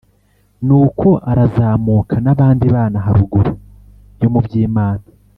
Nuko arazamuka n’abandi bana haruguru yo mu Byimana